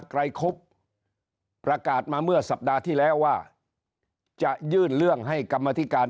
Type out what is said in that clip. ไกรคุบประกาศมาเมื่อสัปดาห์ที่แล้วว่าจะยื่นเรื่องให้กรรมธิการ